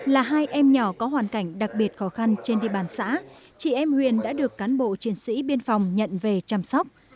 là hai em nhỏ có hoàn cảnh đặc biệt khó khăn trên địa bàn xã chị em huyền đã được cán bộ chiến sĩ biên phòng nhận về chăm sóc